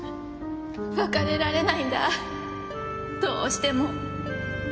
別れられないんだどうしても。